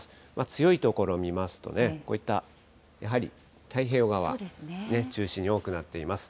強い所見ますとね、こういったやはり太平洋側中心に多くなっています。